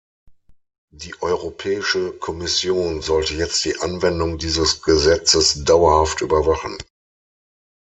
Die Europäische Kommission sollte jetzt die Anwendung dieses Gesetzes dauerhaft überwachen.